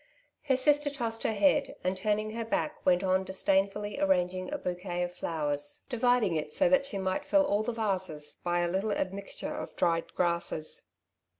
Her sister tossed her head, and turning her back went on disdainfully arranging a bouquet of flowers, dividing it so that she might fill all the varses by a little admixture of dried grasses.